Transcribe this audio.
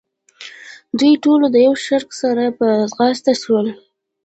دوی ټول د یوه شړک سره په ځغاسته شول.